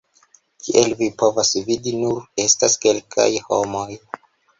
Kiel vi povas vidi nur estas kelkaj homoj